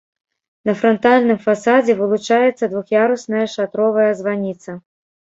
На франтальным фасадзе вылучаецца двух'ярусная шатровая званіца.